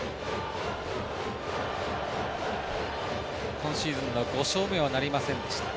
今シーズンの５勝目はなりませんでした。